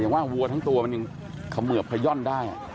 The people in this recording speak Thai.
ว่าวัวทั้งตัวมันยังเขมือบขย่อนได้